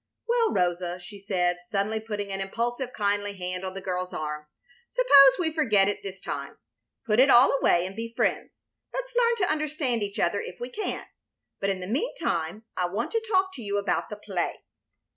"Well, Rosa," she said, suddenly, putting an impulsive, kindly hand on the girl's arm, "suppose we forget it this time, put it all away, and be friends. Let's learn to understand each other if we can, but in the mean time I want to talk to you about the play."